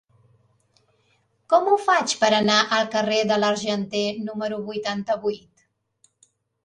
Com ho faig per anar al carrer de l'Argenter número vuitanta-vuit?